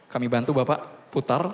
kami bantu bapak putar